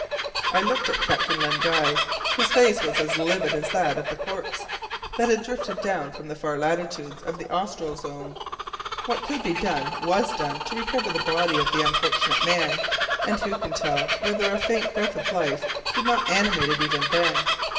I looked at Captain Len Guy. His face was as livid as that of the corpse that had drifted down from the far latitudes of the austral zone. What could be done was done to recover the body of the unfortunate man, and who can tell whether a faint breath of life did not animate it even then?